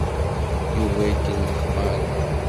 Yuba ikellex Mary.